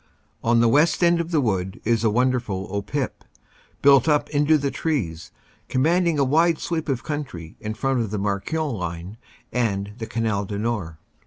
On the west end of the wood is a wonderful "O Pip," built up into the trees, commanding a wide sweep of country in front of the Marquion line and the Canal du Nord.